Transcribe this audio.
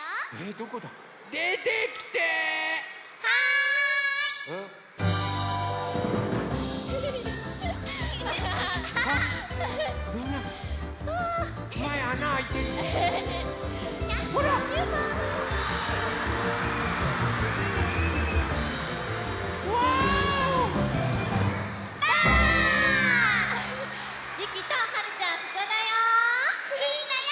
ここだよ！